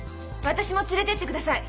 私も連れてってください。